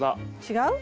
違う？